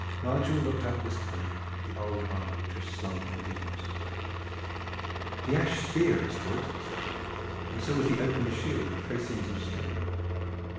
Nigel looked up wistfully at the old armor which was slung on the beams above him. "The ash spear is good," said he, "and so is the oaken shield with facings of steel.